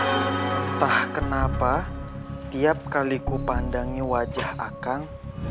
entah kenapa tiap kali ku pandangi wajah akang